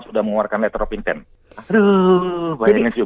sudah mengeluarkan letter of intent